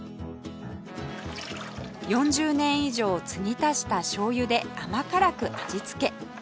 ４０年以上継ぎ足したしょうゆで甘辛く味付け